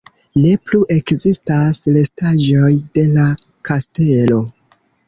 Ne plu ekzistas restaĵoj de la kastelo.